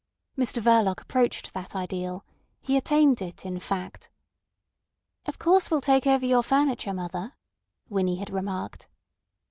Mr Verloc approached that ideal; he attained it, in fact. "Of course, we'll take over your furniture, mother," Winnie had remarked.